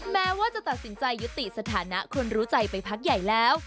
แม้ว่าจะตัดสินใจยุติสถานะคนรู้ใจไปพักใหญ่แล้ว